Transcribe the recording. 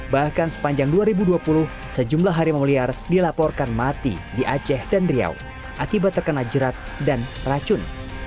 bahkan sepanjang dua ribu dua puluh sejumlah harimau liar dilaporkan mati di aceh dan riau akibat terkena jerat dan racun